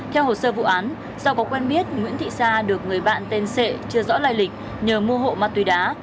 theo hồ sơ vụ án do có quen biết nguyễn thị sa được người bạn tên sệ chưa rõ lai lịch nhờ mua hộ ma túy đá